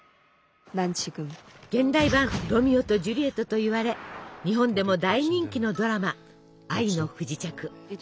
現代版ロミオとジュリエットといわれ日本でも大人気のドラマ「愛の不時着」。